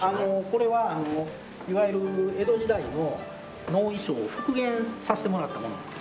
これはあのいわゆる江戸時代の能衣装を復元させてもらったものなんです。